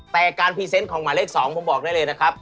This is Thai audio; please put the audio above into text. แต่การพรีเซนต์ของหมายเลข๒ผมบอกได้เลยนะครับ